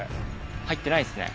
入ってないっすね。